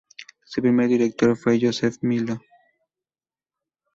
Su primer director fue Yosef Milo.